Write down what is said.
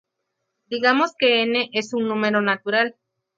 Digamos que "n" es un número natural.